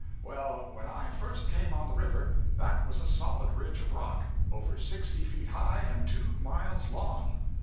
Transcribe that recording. well, when I first came on the river, that was a solid ridge of rock, over sixty feet high and two miles long.